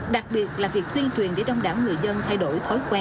đặc biệt là việc di chuyển để đông đảo người dân thay đổi thói quen